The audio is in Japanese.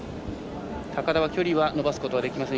高田は距離を伸ばすことができません。